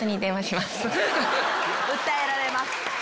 訴えられます。